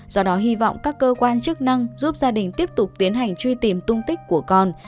do đó hy vọng các cơ quan chức năng giúp gia đình tiếp tục tiến hành truy tìm tung tích của con